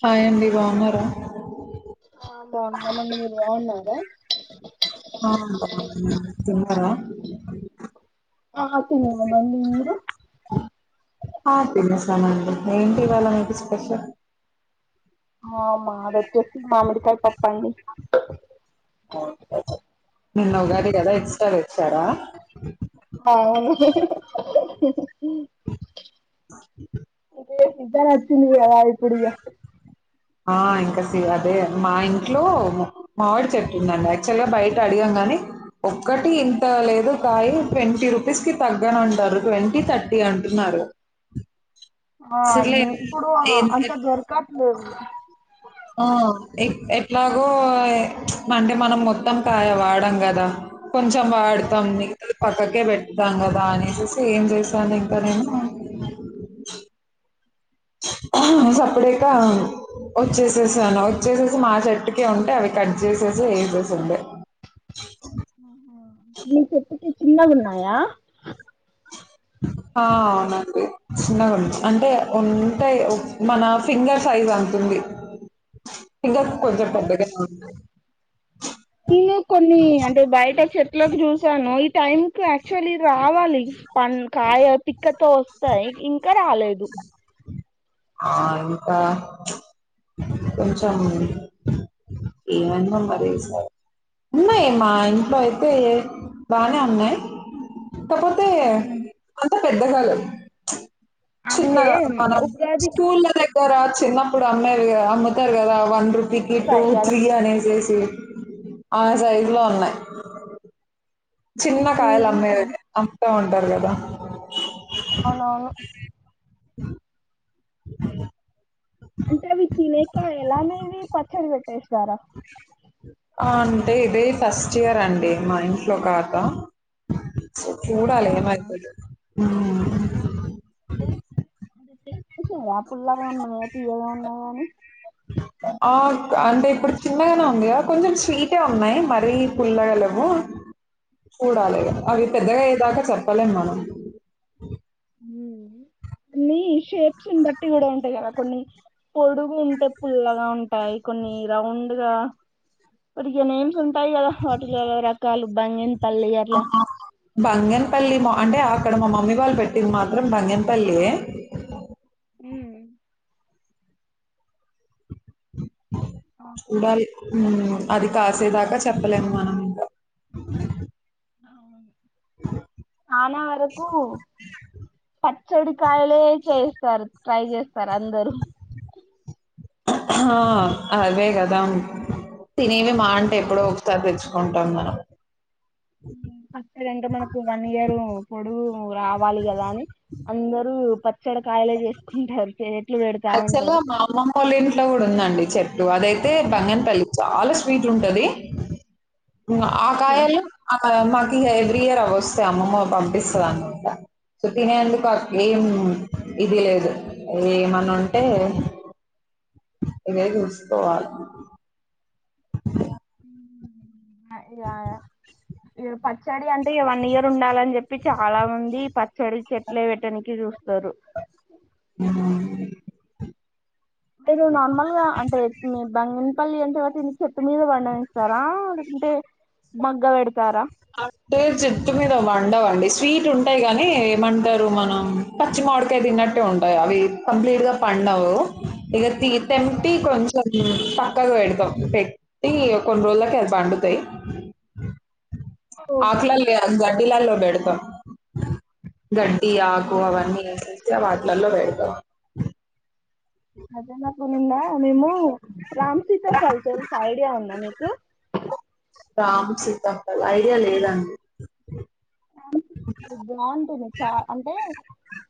హాయండి బాగున్నారా బాగుందామడి మీరు బాగున్నారా తిన్నర ఆ తిన్నామండి మీరు ఆ తినేశామండి ఏంటి ఇవాళ స్పెషల్ ఆ మాది వచ్చేసి మామిడికాయ పప్పండి అ నిన్న ఉగాది కదా ఎక్సట్రా తెచ్చారా అవును ఎంత నచ్చింది ఇది ఆ ఇప్పుడు ఇగ ఆ ఇంకా సే అదే మా ఇంట్లో మామిడి చెట్టుందండి యాక్చువల్ గా బయట అడిగాం గాని ఒక్కటి ఇంత లేదు కాయ ట్వంటీ రూపీస్ కి తగ్గని అంటారు ట్వంటీ థర్టీ అంటున్నారు ఆ సర్లే ఇప్పుడు అంత ఏం దొరకట్లేదు ఆ ఎట్లాగో అంటే మనం మొత్తం కాయ వాడం కదా కొంచెం వాడుతాం అవును మిగితాది పక్కక్ ఇకే పెడతాం కదా అనేసి ఏం చేశాను ఇంకా నేను సప్పడేక వచ్చేసేసాను వచ్చేసేసి మా చెట్టుకే ఉంటే అవి కట్ చేసేసి వెసేసిండే మీ చేటుకి చిన్నగా ఉన్నాయా హా నాకు చిన్నగా ఉన్నాయి అంటే ఉంటాయి మన ఫింగర్ సైజ్ అంతే ఉంది ఇంకా కొంచెం అవును పెద్దగానే ఉంది నేను కొన్ని అంటే బయట చెట్లకి చూసాను ఈ టైం కు యాక్చువల్ రావాలి పం కాయ పిక్కతో వస్తాయి ఇంకా రాలేదు ఆ ఇంకా కొంచెం ఏమన్నా మరి ఈ సారి ఉన్నాయి మా ఇంట్లో అయితే బానే ఉన్నాయి కాకపోతే అంత పెద్దగా లెవ్ అదే చిన్నగా మనం ఉగాదికి స్కూల్ లేగ్ ఓరా చిన్నప్పుడు అమేదికదా అమ్ముతారు కదా వన్ రూ టికెటు వస్తాయి కదా త్రీ అనేసేసి ఆ సైజు లో ఉన్నాయి చిన్న కాయలు ఉహు అమేది అమ్ముతూంటారు ఉంటారు కదా అవునువును ఆ అ అంటే అవి తినేకె ఎలా అనేేవి పచ్చడి పెట్టే ఆ అంటే ఇదే ఫస్ట్ ఇయర్ అండి మా ఇంట్లో ఖత ఆహా చూడాలే ఏం అవునా అయితదో హ్మ్ అ అేయా పుల్లాగా ఉన్నాయా పియగా ఉన్నాయా కాని ఆ అంటే ఇప్పుడు చిన్నగానే ఉంది కొంచెం స్వీటే ఉన్నాయి మరీ పుల్లగలము చూడాలి అవి పెద్దగాయ్యదాకా చెప్ పలెమా న షేప్స్ని బట్టి కూడా ఉంటాయి కదా కొన్ని పొడుగు ఉంటే పుల్లగా ఉంటాయి కొన్ని రౌండ్గా మరిక నమ్స్ ఉంటా హోటిల్ వల ర కాలు బాంగ బంగన్పల్లి మా అంటే ఆ అక్కడ మా మమ్మీ వాళ్ళు పెట్టింది మాత్రం భంగ్యంపల్లి అ చూడ అది కాసేదాకా చెప్పలేము మనం ఇంకా అవును ఆనా వరకు పత్ చెడు కాలే చేయిస్తారు ట్రై చేస్తారు అందరూ ఆ అదే కదా తినేవి ఉ మాంటే ఎప్పుడో ఒకతా తెలుసు కుంటాం మనం ఫస్ంటే మనకు వన్ ఇయర్ పొడు రావాలి కదా అని అందరుూ ఎక్కడకాయలు చేసుకుంటారు పెడతా అక్చుల్ ఉంటారు మా అమ్మమ్ వాళ్ళ ఇంట్లో కూడా ఉందండి చెప్ప అదైతే బంగన్పల్లి చాలా స్వీట్ ఉంటది ఓకే ఆకాయలు మాకు ఎవ్రీ ఇయర్ అవి వస్తాయి అమ్మమ్మ పంపిస్తుంది అన్నమాట సో తినేందుకు ఏం ఇది లేదు ఏ అంటే ఎ వస్త [inaudible] ఈ ప స్టడీ అంటే వన్ ఇయర్ ఉండాలని చెప్పి ి చాలా ఉంది పచ్చళ్ చెట్లు వేటడానికి చూ హ [inaudible] మీరు నార్మల్ గా అంటే మీ బంగి పల్లి అంటే కాటి ఇ చెత్త మీద బంండ ఇస్తారా లేకంటే మగ్గ పెడతారా అంటే చెట్టు మీద వండవండి స్వీట్ ఉంటాయి కాని ఏమంటారు మనం పచ్చిమడకాయ తిన్నట్టే ఉంటాయి అవి కంప్లీట్ గా పండవు ఇక తెటి కొంచెం పక్కగా పెడతాం పెట్టి కొన్ని రోజులకిళ్ పండుతాయి ఓకే ఆక్లలి అ అడ్ దిలాల్లో బెడతో గడ్డి ఆకు ఆహా. అవన్నీస వాటలలో వ అదే నాకు నింద నిము రామ్సీత ఫల్సేల్స్ ఐడియా ఉంద మీకు రామ్ సీతాప్పల్ ఐడియా లేదండి అ బాగుంటుంది చ అంటే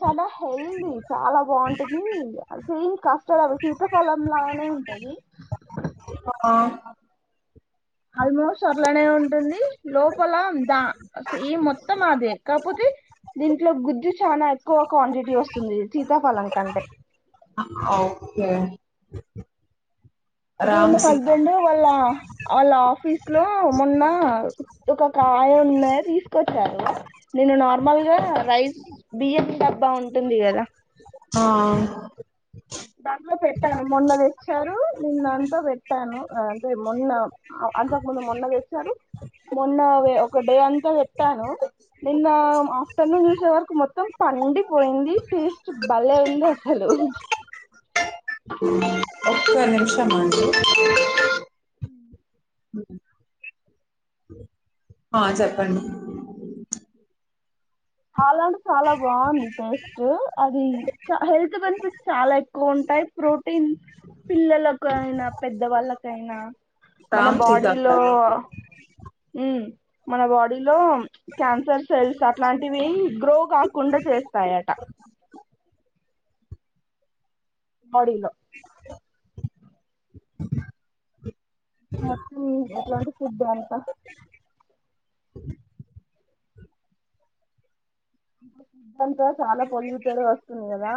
చాలా హెల్దీ చాలా బాగుంటుంది ఇంకా చ శీతాకాలం లానే ఉంటది ఆ ఆల్మోస్ట్ అట్లనే ఉంటుంది లోపల దా ఈ మొత్తం అదే కాకపోతే దీంట్లో గుజది చనా ఎక్కువ క్వాంటిటీ వస్తుంది సీతాఫలం కంటే ఓకే [inaudible] అయితే రామ్ మా సీత హస్బెండ్ వాళ్ళ వాళ్ళ ఆఫీస్ లో మొన్న ఒక కాయ ఉన్నా తీసుకొచ్చారు నేను నార్మల్ గా రైస్ బియ్యం డబ్బా ఉంటుంది కదా ఆ దానిలో పెట్టాను మొన్నది తెచ్చారు నిన్నంతా పెట్టాను అంటే మొన్న అంతకు ముందు మొన్న వసారు మొన్న ఒక డే అంతా పెట్టాను నిన్న ఆఫ్టర్నూన్ చూసే వరకు మొత్తం పండిపోయింది టేస్ట్ భలే ఉంది అసలు పకు నిమిష అండి ఆ చెప్పండి అలాంట చాలా బాగుంది టేస్ట్ అది చ హెల్త్ బెనిఫిట్స్ చాలా ఎక్కువ ఉంటాయి ప్రోటీన్ పిల్లలకు అయినా పెద్దవాళ్ళకైనా మన రామ్ బాడీలో సీతాఫల్ మన బాడీలో క్యాన్సర్ సెల్స్ అట్లాంటి గ్రో కాకుండా చేస్తాయట నడిల్ మొత్తం ఎట్లాంటి శుద్ధ అంతా ంత చాలా పొల్యూటెడ్ వస్తుంది కదా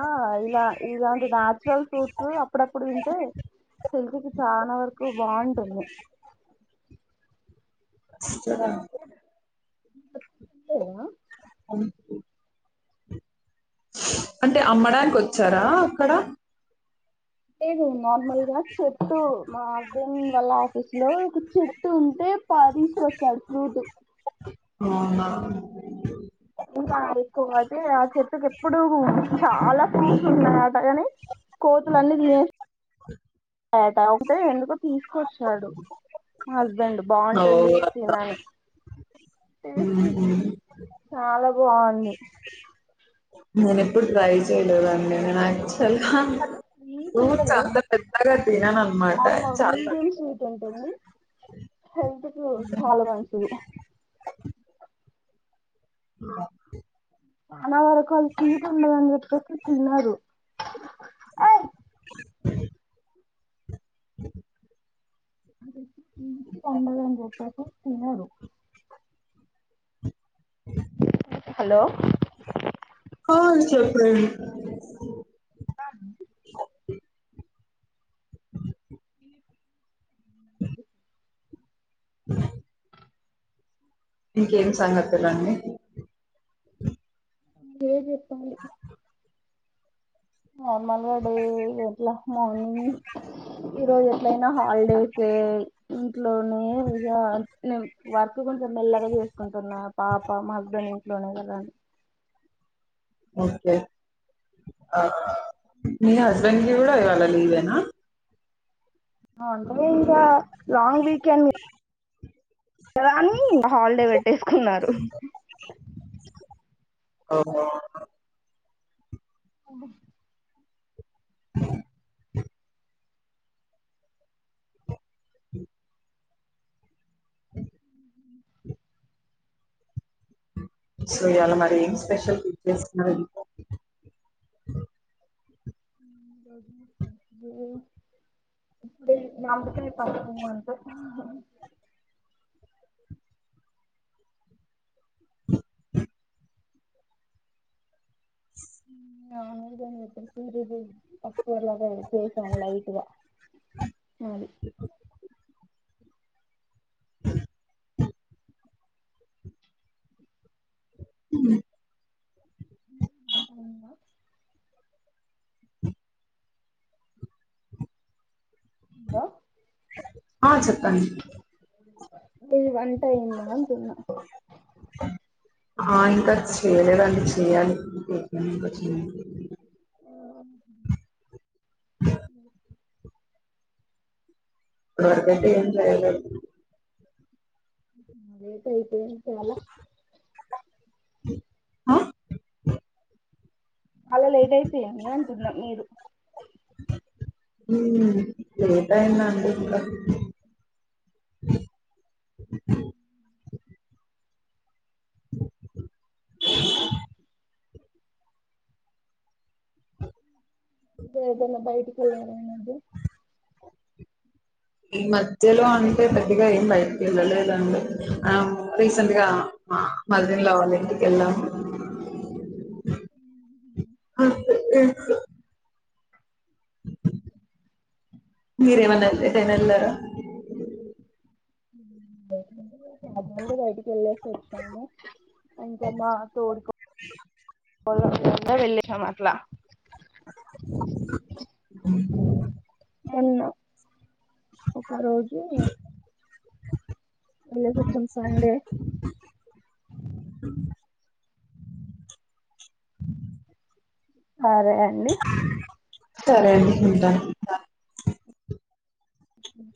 ఇలా ఇలాంటి నాచురల్ ఫూట్స్ అప్పుడప్పుడు వింటే తెెల్ఫీకి చాలా వరకు బాగుంటుంది ద అంటే అమ్మడానికి వచ్చారా అక్కడ లే నార్మల్గా చెట్టు మా హస్బెండ్ వాళ్ళ ఆఫీస్లో ఒక చెట్టు ఉంటే పా తీసుకొచ్చాడు ఫ్లూటు అ ఇంకా ఎక్కువ అయితే ఆ చెట్కి ఎప్పుడు చాలా చూస్ ఉన్నా అట కాని కోతుల అన్నిీ తినే టేటా ఒకటే ఎందుకు తీసుకొచ్చాడు మా హస్బెండ్ ఓ బాగుంటుంది అట్లా. తినని టేస్ట్ మ్మ్. చాలా బాగుంది ననిప్పుడు టడ్రై చేలేదు అన్న అట్లా స్వీట్ చఊ ఉండదు చందా పెద్దగా తిన అందమాట చాా హెల్త్కు చాలా మంచించిది ఆ అర తొంభది వందలపాయస్ తినారు అ అదే ఈ పొండల అంంగూట తినడు అ హలో హ చెప్పు అ అ ఇంకేం సంగ తెలండి కాాల నార్మల్ గా డే ఎట్లా మార్నింగ్ ఈరోోజు ఎట్లయినా హాలిడేస్ ఇంట్లోనే ఇక న వత ఇ కొంచెం మెల్లగా చేసుకుంటున్నా పాప మా హస్బెండ్ ఇంట్లోనే కదని ఓకే మీ హస్బెండ్కిి కూడా ఇవాల లీవేనా ంటే ఇంకా లాంగ్ వీకెండ్ కదా అని ఇంకా హాలిడే పెట్టేసుకున్నారు ఆఓహ అవును అ సో ఇవాళ మరి ఏం స్పెషల్ ఫి చేస్తున్నారు రగి నముక పాపోం అంట నద సరి ఇది అప్పు ఎలాగాతే చేసల వటుద ఆది ఉ ఉ అందా ఆ చెప్పను ఇది వన్ంటైంద సన్న చేలే చే అ మకట్ంట ఏట్యితే ఆ అలా లేట్ అయిపోయండి అంటున్నాం మీరు హ్మ్ ఏటైనా అండి ఇంకా దేవ్ దన బయటికేళ్లారా ఈమధ్య ఈ మధ్యలో అంటే పెద్దగా ఏం బయటకీ వెళ్ళలేదండి ఆ రీసెంట్గా మా మదర్ఇన్లా ఇంటికి వెళ్ళాము హ్మ్ అ తెలుసు మీరేమన్న ఎటైనాఏళ్ళారా హ్మ్ ఏముంటది అందరూ బయటికి వెళ్ళేసి వచ్చాము ఇంకా మాతోడి కో వాళ్లంతంతా వెళ్ళసాం అట్లా హ్మ్ మొన్న ఒకరోజు వెళకొచ్చంపాండే సరే అండి సరేఅండి ఉంటా హ్మ్